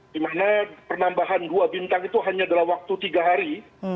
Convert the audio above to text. di mana penambahan dua bintang itu hanya dalam waktu tiga hari